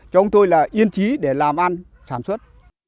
cho ông tôi là yên trí để làm ăn sản xuất